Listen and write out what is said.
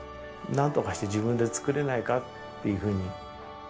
なんとかして自分で作れないかっていうふうに。